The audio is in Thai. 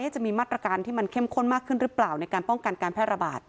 จะมีมาตรการที่มันเข้มข้นมากขึ้นหรือเปล่าในการป้องกันการแพร่ระบาด